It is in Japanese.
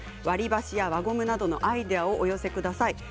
割り箸や輪ゴムなどのアイデアをお寄せください。